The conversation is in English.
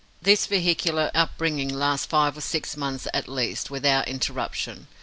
This vehicular upbringing lasts five or six months at least, without interruption.